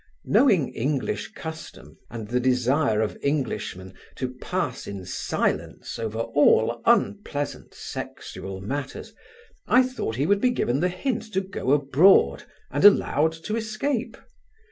Knowing English custom and the desire of Englishmen to pass in silence over all unpleasant sexual matters, I thought he would be given the hint to go abroad and allowed to escape.